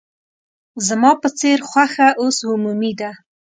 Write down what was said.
زما په څېر خوښه اوس عمومي ده.